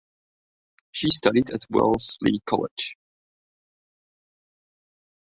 She studied at Wellesley College.